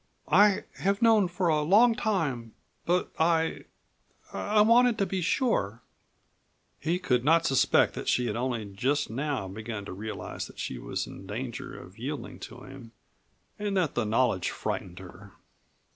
"I have known for a long time, but I I wanted to be sure." He could not suspect that she had only just now begun to realize that she was in danger of yielding to him and that the knowledge frightened her.